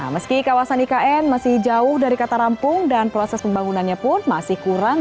meski kawasan ikn masih jauh dari kata rampung dan proses pembangunannya pun masih kurang